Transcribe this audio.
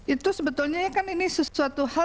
itu sebetulnya kan ini sesuatu hal